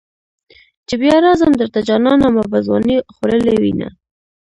چې بیا راځم درته جانانه ما به ځوانی خوړلې وینه.